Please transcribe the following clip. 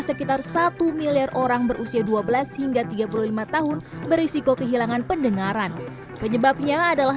sekitar satu miliar orang berusia dua belas hingga tiga puluh lima tahun berisiko kehilangan pendengaran penyebabnya adalah